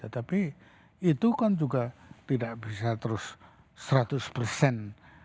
tapi itu kan juga tidak bisa terus seratus persen